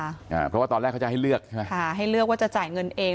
อ่าเพราะว่าตอนแรกเขาจะให้เลือกใช่ไหมค่ะให้เลือกว่าจะจ่ายเงินเอง